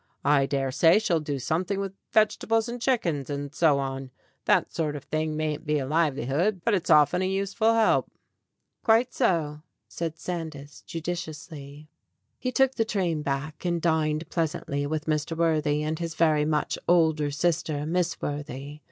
I dare say she'll do something with vegetables and chickens, and so on. That sort of thing mayn't be a livelihood, but it's often a useful help." "Quite so," said Sandys judiciously. He took the train back, and dined pleasantly with Mr. Worthy and his very much older sister, Miss Worthy.